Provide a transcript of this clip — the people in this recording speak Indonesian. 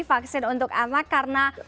vaksin untuk anak karena